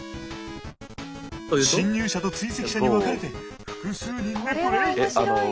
侵入者と追跡者に分かれて複数人でプレイ。